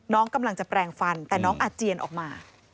น้องกำลังจะแปลงฟันแต่น้องอาเจียนออกมา